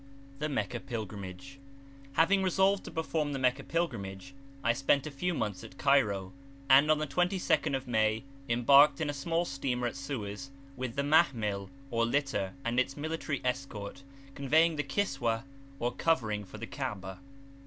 THE MECCAH PILGRIMAGE. HAVING resolved to perform the Meccah pilgrimage, I spent a few months at Cairo, and on the 22nd of May embarked in a small steamer at Suez with the mahmil or litter, and its military escort, conveying the kiswah or covering for the kabah.